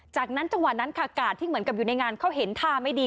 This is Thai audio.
จากนั้นจังหวะนั้นค่ะกาดที่เหมือนกับอยู่ในงานเขาเห็นท่าไม่ดี